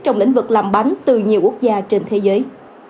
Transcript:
trong lĩnh vực làm bánh từ nhiều quốc gia trên thế giới